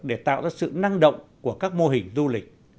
để tạo ra sự năng động của các mô hình du lịch